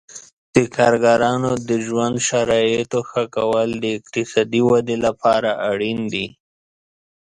د کارګرانو د ژوند شرایطو ښه کول د اقتصادي ودې لپاره اړین دي.